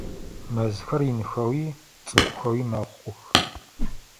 Мэзхэр инхэуи цӏыкӏухэуи мэхъух.